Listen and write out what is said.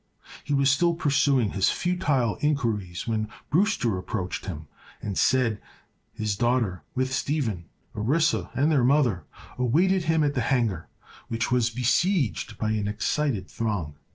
He was still pursuing his futile inquiries when Brewster approached him and said his daughter, with Stephen, Orissa and their mother, awaited him at the hangar, which was besieged by an excited throng.